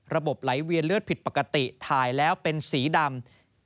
ไหลเวียนเลือดผิดปกติถ่ายแล้วเป็นสีดำ